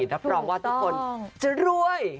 รับรองว่าทุกคนจะรวย